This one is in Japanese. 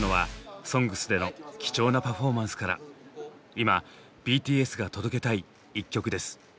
今ＢＴＳが届けたい一曲です。